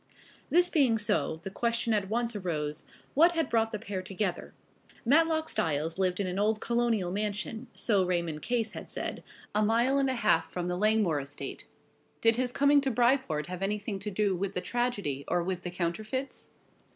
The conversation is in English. This being so, the question at once arose, what had brought the pair together? Matlock Styles lived in an old colonial mansion, so Raymond Case had said, a mile and a half from the Langmore estate. Did his coming to Bryport have anything to do with the tragedy or with the counterfeits?